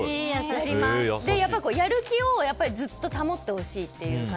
で、やる気をずっと保ってほしいという感じ。